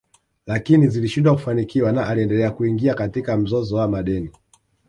Lakini zilishindwa kufanikiwa na aliendelea kuingia katika mzozo wa madeni